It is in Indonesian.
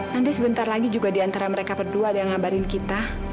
nanti sebentar lagi juga diantara mereka berdua ada yang ngabarin kita